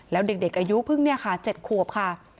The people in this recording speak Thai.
แล้วเด็กอายุเพิ่ง๗ควบค่ะ